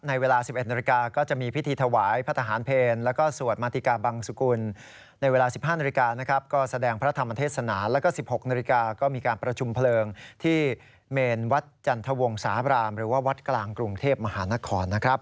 เมนวัดจันทวงศาบรามหรือว่าวัดกลางกรุงเทพมหานครนะครับ